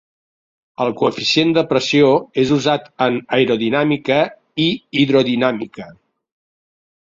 El coeficient de pressió és usat en aerodinàmica i hidrodinàmica.